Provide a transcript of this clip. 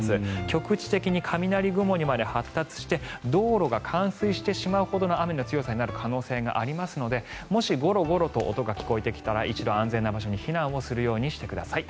局地的に雷雲にまで発達して道路が冠水してしまうほどの雨の強さになる可能性がありますのでもしゴロゴロと音が聞こえてきたら一度安全な場所に避難するようにしてください。